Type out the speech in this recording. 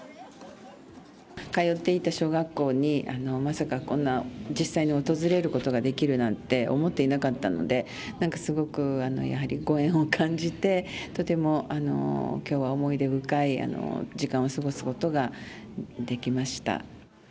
通っていた小学校に、まさかこんな実際に訪れることができるなんて、思っていなかったので、なんかすごく、やはりご縁を感じて、とてもきょうは思い出深い時間を過ごすことができました。